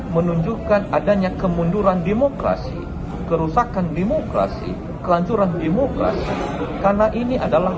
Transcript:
menunjukkan adanya kemunduran demokrasi kerusakan demokrasi kelanjuran demokrasi karena ini adalah